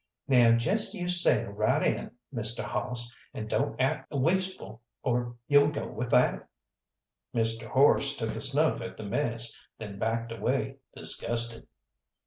"Now jest you sail right in, Mr. Hawss, and don't act wasteful, or you'll go without!" Mr. Horse took a snuff at the mess, then backed away disgusted.